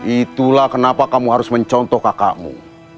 itulah kenapa kamu harus mencontoh kakakmu